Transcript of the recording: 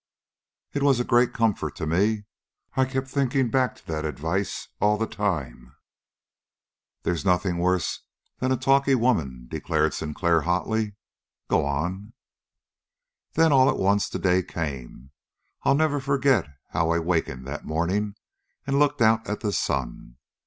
"It was a great comfort to me. I kept thinking back to that advice all the time." "They's nothing worse than a talky woman," declared Sinclair hotly. "Go on!" "Then, all at once, the day came. I'll never forget how I wakened that morning and looked out at the sun.